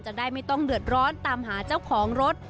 จะได้ไม่ต้องเดือดร้อนตามหาเจ้าของรถ